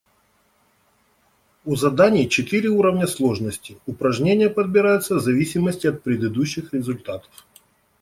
У заданий четыре уровня сложности, упражнения подбираются в зависимости от предыдущих результатов.